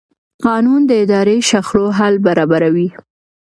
قانون د اداري شخړو حل برابروي.